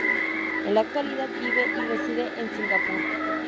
En la actualidad vive y reside en Singapur.